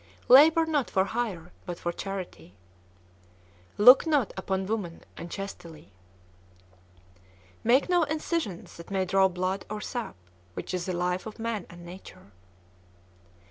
Labor not for hire, but for charity. Look not upon women unchastely. Make no incisions that may draw blood or sap, which is the life of man and nature.